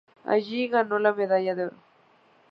Allí ganó la medalla de oro.